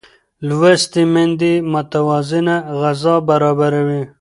لوستې میندې متوازنه غذا برابروي.